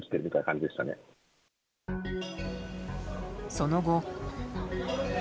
その後。